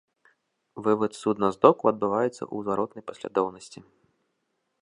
Вывад судна з докаў адбываецца ў зваротнай паслядоўнасці.